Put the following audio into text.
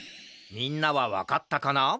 みんなはわかったかな？